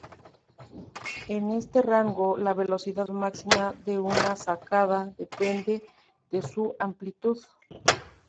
En este rango, la velocidad máxima de una sacada depende de su amplitud.